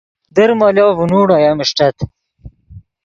در مولو ڤینوڑ اویم اݰٹت